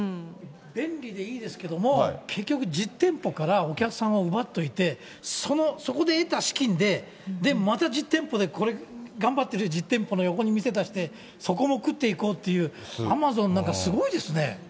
便利でいいですけども、結局、実店舗からお客さんを奪っといて、そこで得た資金で、また実店舗で頑張ってる実店舗の横に店出して、そこも食っていこうという、アマゾン、なんかすごいですね。